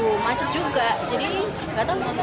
bumacit juga jadi nggak tahu sih